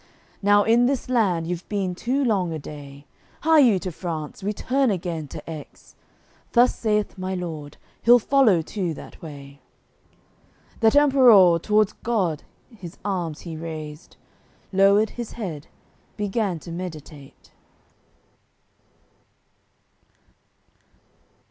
Now in this land you've been too long a day Hie you to France, return again to Aix; Thus saith my Lord, he'll follow too that way." That Emperour t'wards God his arms he raised Lowered his head, began to meditate.